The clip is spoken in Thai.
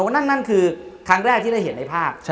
นั่นคือครั้งแรกที่ได้เห็นในภาพ